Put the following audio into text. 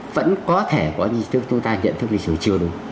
vẫn có thể có những chi thức chúng ta nhận thức lịch sử chưa đủ